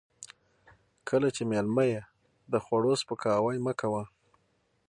کله چې مېلمه يې د خوړو سپکاوی مه کوه.